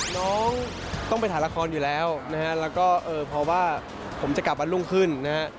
น้องต้องไปถ่ายละครอยู่แล้วนะฮะแล้วก็เออเพราะว่าผมจะกลับวันรุ่งขึ้นนะฮะ